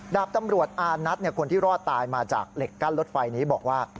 ดาบตำรวจอานัทคนที่รอดตายมาจากเหล็กกั้นรถไฟนี้บอกว่า